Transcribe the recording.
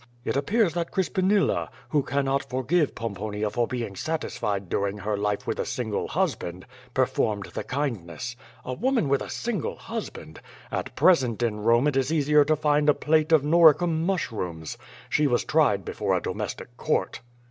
It appears that Crispinilla, who cannot forgive Pomponia for being satis fied during her life with a single husband, performed the kindness. A woman with a single husband! At present in Rome it is easier to find a plate of Noricum mushrooms. She was tried before a domestic court."